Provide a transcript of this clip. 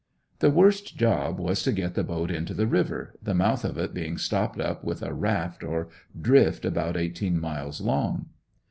The worst job was to get the boat into the river, the mouth of it being stopped up with a raft, or "drift" about eighteen miles long.